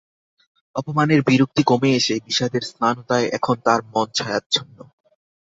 অপমানের বিরক্তি কমে এসে বিষাদের ম্লানতায় এখন তার মন ছায়াচ্ছন্ন।